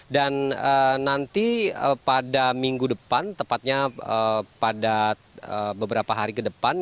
dan nanti pada minggu depan tepatnya pada beberapa hari ke depan